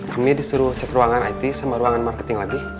kami disuruh cek ruangan it sama ruangan marketing lagi